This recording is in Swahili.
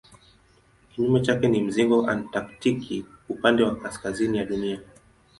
Kinyume chake ni mzingo antaktiki upande wa kaskazini ya Dunia.